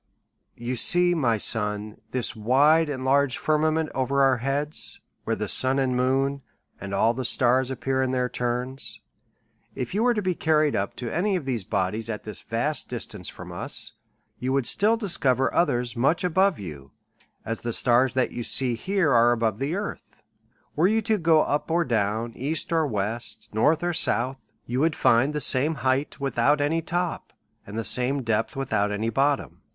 You see, my son, this wide and large firmament over our heads, where the sun and moon, and all the stars appear in their turns. If you was to be carried up to any of these bodies at this vast distance from us, you would still discover others as much above, as the stars that you see here are above the earth. Were you to go up or down, east or west, north or south, you would find the same height without any top, and the same depth without any bottom.